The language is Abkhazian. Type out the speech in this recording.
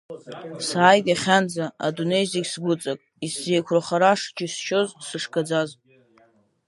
Сааит иахьанӡа, адунеи зегь сгәыҵак, исзеиқәырхара шџьысшьоз, сышгаӡаз.